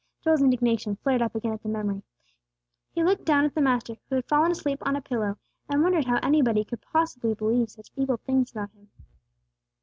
Joel's indignation flared up again at the memory. He looked down at the Master, who had fallen asleep on a pillow, and wondered how anybody could possibly believe such evil things about Him.